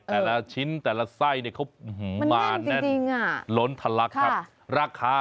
แต่ละชิ้นแต่ละไส้มันแน่นร้นทะลักราคา